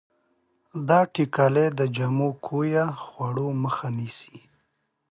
دا ټېکلې د جامو کویه خوړو مخه نیسي.